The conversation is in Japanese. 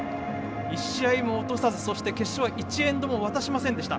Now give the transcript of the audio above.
１試合も落とさずそして決勝は１エンドも渡しませんでした。